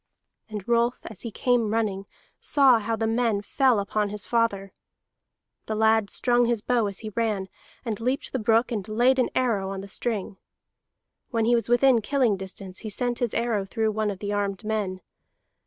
And Rolf, as he came running, saw how the men fell upon his father. The lad strung his bow as he ran, and leaped the brook, and laid an arrow on the string. When he was within killing distance, he sent his arrow through one of the armed men.